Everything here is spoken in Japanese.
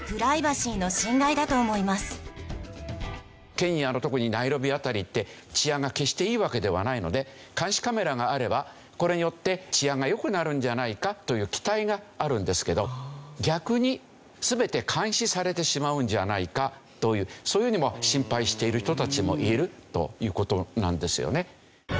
ケニアの特にナイロビ辺りって治安が決していいわけではないので監視カメラがあればこれによって治安が良くなるんじゃないかという期待があるんですけど逆に全て監視されてしまうんじゃないかというそういうふうにも心配している人たちもいるという事なんですよね。